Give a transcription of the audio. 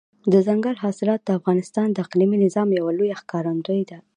دځنګل حاصلات د افغانستان د اقلیمي نظام یوه لویه ښکارندوی ده.